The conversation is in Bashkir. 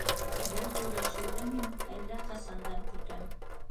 - Был һөйләшеүҙе мин әллә ҡасандан көтәм.